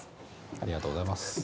ありがとうございます。